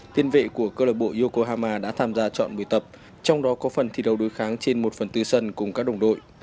tiên vệ của cơ lộc bộ yokohama đã tham gia chọn buổi tập trong đó có phần thi đấu đối kháng trên một phần tư sân cùng các đồng đội